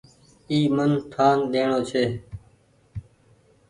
اي من ٺآن ڏيڻو ڇي۔